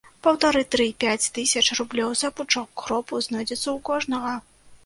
Паўтары-тры-пяць тысяч рублёў за пучок кропу знойдзецца ў кожнага.